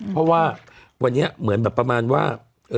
เพราะว่าวันนี้เหมือนแบบประมาณว่า